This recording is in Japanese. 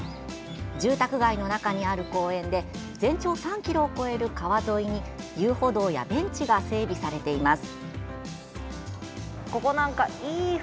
住宅街の中にある公園で全長３ｋｍを超える川沿いに遊歩道やベンチが整備されています。